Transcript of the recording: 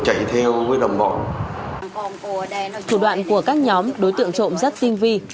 thủ đoạn của các nhóm đối tượng trộm rất tinh vi